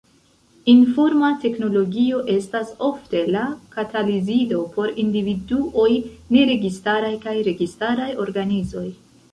Informa teknologio estas ofte la katalizilo por individuoj, neregistaraj kaj registaraj organizoj.